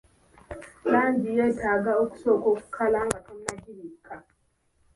Langi yeetaaga okusooka okukala nga tonnagibikka.